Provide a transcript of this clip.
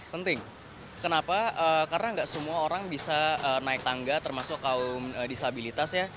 penting kenapa karena nggak semua orang bisa naik tangga termasuk kaum disabilitas ya